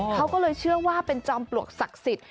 เขาก็เลยเชื่อว่าเป็นจอมปลวกศักดิ์สิทธิ